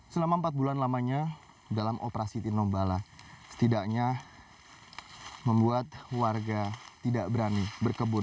selama empat bulan lamanya dalam operasi tinombala setidaknya membuat warga tidak berani berkebun